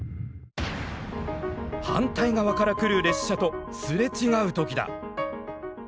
反対側から来る列車とすれ違う時だ。